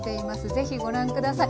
ぜひご覧下さい。